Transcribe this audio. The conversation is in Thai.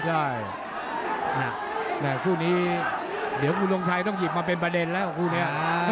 ใช่แม่คู่นี้เดี๋ยวคุณทงชัยต้องหยิบมาเป็นประเด็นแล้วคู่นี้